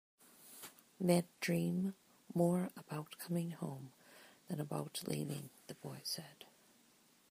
"Men dream more about coming home than about leaving," the boy said.